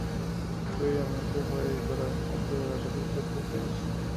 Previamente fue editor adjunto de la revista "The Face".